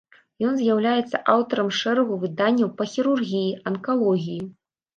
Ён з'яўляецца аўтарам шэрагу выданняў па хірургіі, анкалогіі.